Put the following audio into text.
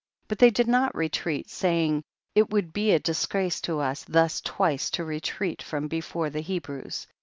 22. But they did not retreat, say ing, it would be a disgrace to us thus twice to retreat from before the He brews.